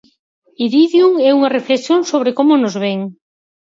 Iridium é unha reflexión sobre como nos ven.